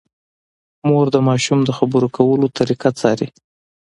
مور د ماشوم د خبرو کولو طریقه څاري۔